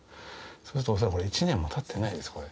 そうすると恐らくこれ、１年もたってないです、これ。